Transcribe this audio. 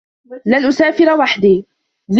لَنْ أُسَافِرَ وَحْدِي.